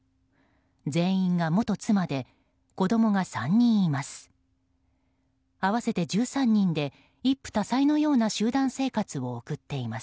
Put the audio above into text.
全員が元妻で子供が３人います。